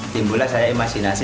timbulah saya imajinasi